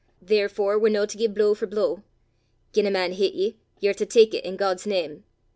Therefore we're no to gie blow for blow. Gien a man hit ye, ye're to tak it i' God's name.